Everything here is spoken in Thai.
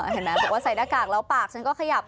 เห็นไหมบอกว่าใส่หน้ากากแล้วปากฉันก็ขยับ